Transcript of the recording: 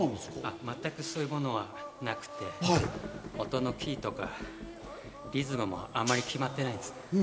全くそういうものなくて、音のキーとか、リズムもあまり決まってないんですね。